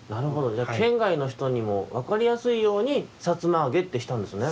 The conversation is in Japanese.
じゃあけんがいのひとにもわかりやすいように「さつまあげ」ってしたんですね。